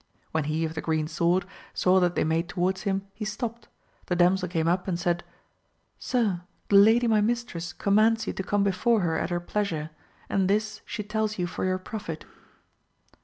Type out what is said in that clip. When he of the green sword saw that they made towards him he stopt, the damsel came up and said, Sir, the lady my mistress commands you to come before her at her pleasure, and this she tells you for your profit.